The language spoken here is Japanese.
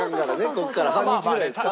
ここから半日ぐらいですか。